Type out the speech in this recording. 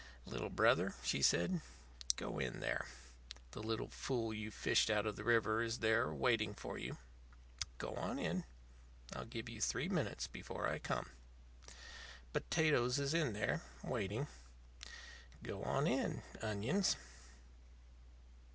"Little Brother," she said, "go in there. The little fool you fished out of the river is there waiting for you. Go on in. I'll give you three minutes before I come. Potatoes is in there, waiting. Go on in, Onions."